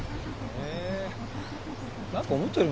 へえ。